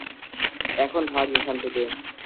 এখন ভাগ এখান থেকে।